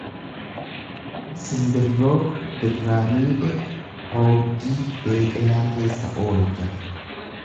Simbirroo birraa miidhe hoogdii beeqelaa keessa oolcha.